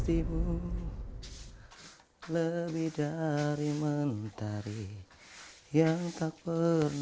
teman teman keponanya itu yang motor